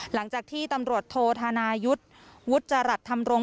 หลังจากที่ตำรวจโทษธนายุทธ์วุจจรัสธรรมรงค